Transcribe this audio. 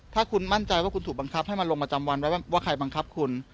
ถ้าคุณมั่นใจว่าคุณถูกบังคับให้มาลงประจำวันไว้ว่าใครบังคับคุณ